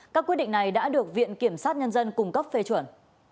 các quyết định này đã được viện kiểm sát nhân dân cung cấp phê chuẩn